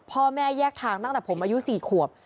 พ่อแม่แยกทางตั้งแต่ผมอายุ๔ขวบ